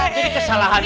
jadi kesalahan ini